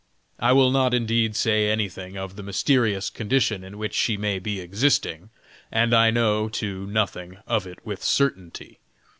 I will not indeed say anything of the mysterious condition in which she may be existing, and I know, too, nothing of it with certainty.